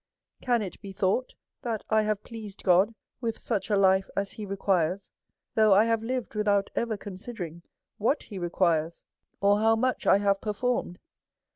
Can it be thought that 1 have pleased God with such a life as he requires^ tliough 1 have lived without ever considering what he requires, or how much I have performed?